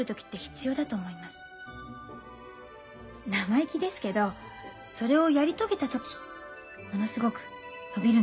生意気ですけどそれをやり遂げた時ものすごく伸びるんだと思います。